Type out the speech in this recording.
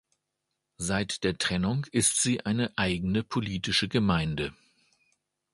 Seit der Trennung ist sie eine eigene politische Gemeinde.